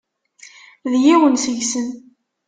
D yiwen seg-sen.